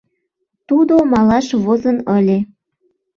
Тудо малаш возын ыле.